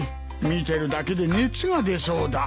見てるだけで熱が出そうだ。